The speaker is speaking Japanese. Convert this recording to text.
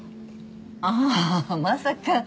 ああまさか。